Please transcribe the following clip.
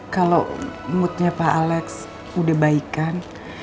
kalau moodnya pak alex udah baikan